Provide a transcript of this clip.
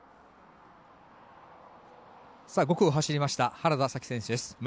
５区を走りました原田紗希選手です。